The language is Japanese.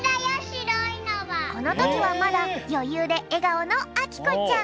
このときはまだよゆうでえがおのあきこちゃん。